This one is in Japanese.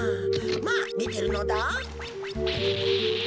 まあみてるのだ。